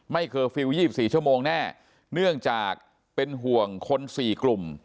ไม่เคลว๒๔ชั่วโมงแน่เนื่องจากเป็นห่วงคนสี่กลุ่ม